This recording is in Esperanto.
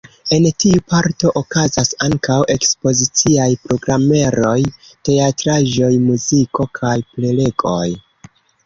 En tiu parto okazas ankaŭ ekspoziciaj programeroj: teatraĵoj, muziko kaj prelegoj.